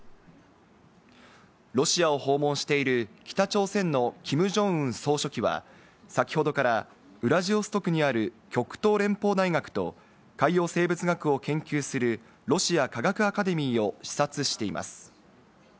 ロシアを訪問している北朝鮮のキム・ジョンウン総書記は、先ほどからウラジオストクにある極東連邦大学と海洋生物学を研究するロシア科学アカデミーを視察しています。